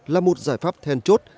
là một giải pháp then chốt